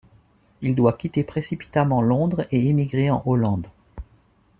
Il doit quitter précipitamment Londres et émigrer en Hollande.